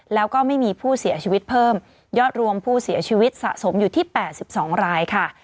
แล้วก็ไม่มีผู้เสียชีวิตเพิ่มยอดรวมผู้เสียชีวิตสะสมอยู่ที่๘๒รายค่ะ